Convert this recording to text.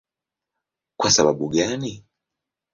Kwa sababu gani?